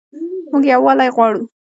موږ یووالی غواړو